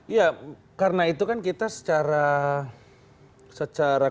iya karena itu kan kita secara